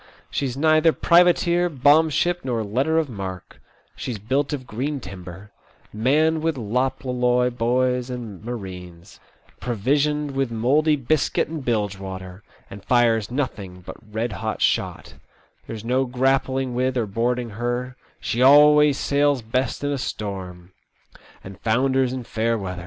She's neither privateer, bombship, nor letter of marque ; she's built of green timber, manned with loploUoy boys and marines ; provisioned with mouldy biscuit and bilge water, and fires nothing but red hot shot ; there's no grappling with or boarding her ; she always sails best in a storm, lU TEE OLD SEA DOO. and founders in fair weather.